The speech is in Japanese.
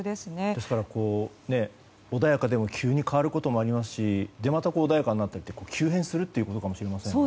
ですから、穏やかでも急に変わることもありますしまた、穏やかになったりという急変するということかもしれませんね。